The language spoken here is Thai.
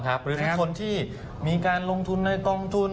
สักคนที่มีงานลงทุนในกองทุน